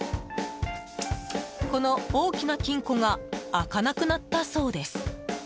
この大きな金庫が開かなくなったそうです。